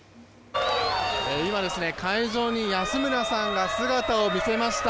今、会場に安村さんが姿を見せました。